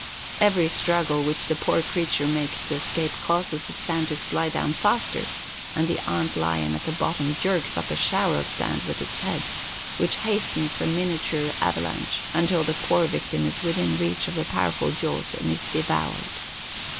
Every struggle which the poor creature makes to escape causes the sand to slide down faster, and the ant lion at the bottom jerks up a shower of sand with its head, which hastens the miniature avalanche until the poor victim is within reach of the powerful jaws and is devoured.